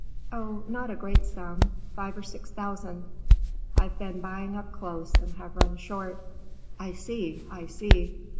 "Oh, not a great sum. Five or six thousand. I've been buying up close and have run short." "I see, I see.